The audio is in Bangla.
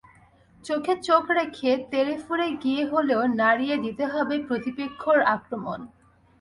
চোখে চোখ রেখে, তেড়েফুঁড়ে গিয়ে হলেও নাড়িয়ে দিতে হবে প্রতিপেক্ষর আক্রমণ।